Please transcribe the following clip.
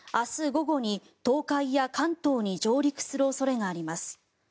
午後に東海や関東に上陸する恐れがあります。